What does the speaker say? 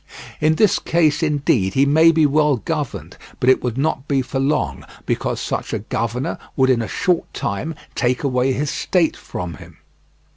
In this case indeed he may be well governed, but it would not be for long, because such a governor would in a short time take away his state from him.